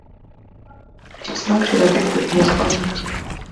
It is marked with a plaque in his honor.